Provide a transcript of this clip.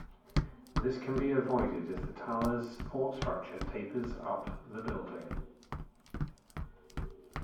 This can be avoided if the tower's support structure tapers up the building.